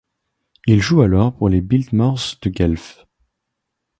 Il joue alors pour les Biltmores de Guelph.